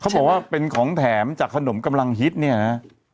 เขาบอกว่าเป็นของแถมจากขนมกำลังฮิตนี่นะครับ